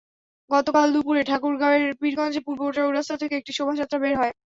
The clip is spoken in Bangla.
গতকাল দুপুরে ঠাকুরগাঁওয়ের পীরগঞ্জে পূর্ব চৌরাস্তা থেকে একটি শোভাযাত্রা বের করা হয়।